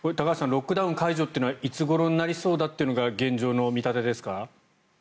ロックダウン解除というのはいつごろになりそうだというのが現状の見立てですか？